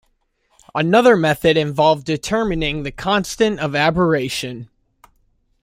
Another method involved determining the constant of aberration.